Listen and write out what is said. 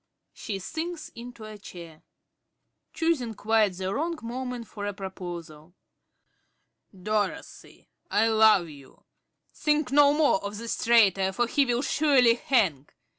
(She sinks into a chair.) ~Carey~ (choosing quite the wrong moment for a proposal). Dorothy, I love you! Think no more of this traitor, for he will surely hang.